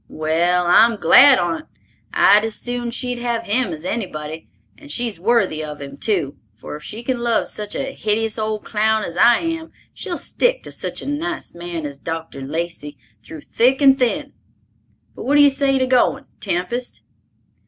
Well, I'm glad on't. I'd as soon she'd have him as anybody, and she's worthy of him too, for if she can love such a hideous old clown as I am, she'll stick to such a nice man as Dr. Lacey through thick and thin. But what do you say to goin', Tempest?"